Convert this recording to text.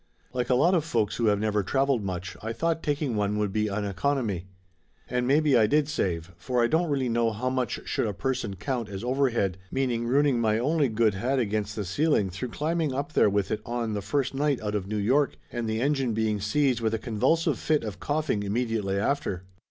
Like a lot of folks who have never traveled much I thought taking one would be a economy. And maybe I did save, for I don't really know how much should a person count as overhead, meaning ruining my only good hat against the ceiling through climbing up there with it on the first night out of New York, and the engine being seized with a con vulsive fit of coughing immediately after.